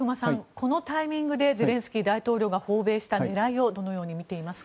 このタイミングでゼレンスキー大統領が訪米した狙いをどのように見ていますか？